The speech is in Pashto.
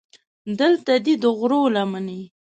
دلته دې د غرو لمنې.